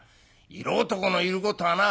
色男のいることはな